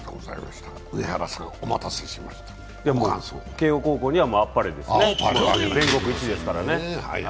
慶応高校にはあっぱれですね全国一ですからね。